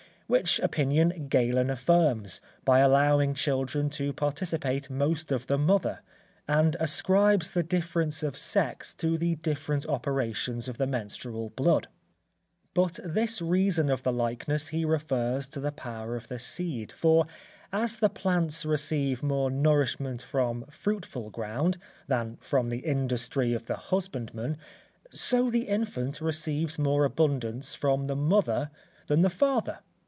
Which opinion Galen affirms, by allowing children to participate most of the mother; and ascribes the difference of sex to the different operations of the menstrual blood; but this reason of the likeness he refers to the power of the seed; for, as the plants receive more nourishment from fruitful ground, than from the industry of the husbandman, so the infant receives more abundance from the mother than the father.